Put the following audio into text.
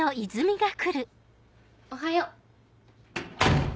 おはよう。